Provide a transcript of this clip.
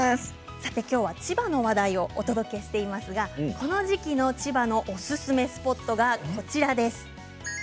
さて、きょうは千葉の話題をお届けしていますがこの時期の千葉のおすすめスポットがこちらです。